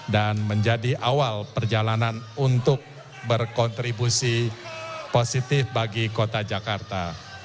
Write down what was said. dan menjadi awal perjalanan untuk berkontribusi positif bagi kota jakarta